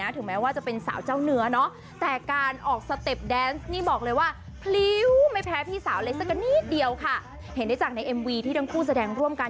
ที่สาวเลยสักนิดเดียวค่ะเห็นได้จากในเอ็มวีที่ทั้งคู่แสดงร่วมกัน